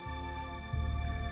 tidak aneh kan white